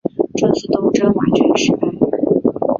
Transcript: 这次东征完全失败。